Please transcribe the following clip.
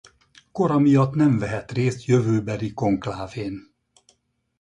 Kora miatt nem vehet részt jövőbeli konklávén.